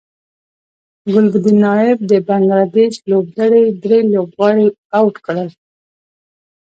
ګلبدین نایب د بنګلادیش لوبډلې درې لوبغاړي اوټ کړل